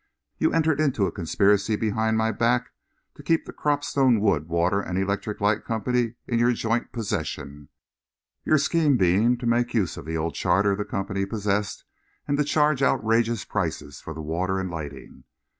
You entered into a conspiracy behind my back to keep the Cropstone Wood, Water and Electric Light Company in your joint possession, your scheme being to make use of the old charter the company possessed and to charge outrageous prices for the water and lighting.